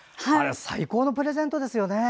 最高のプレゼントですよね。